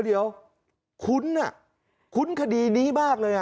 เดี๋ยวคุ้นคดีนี้มากเลย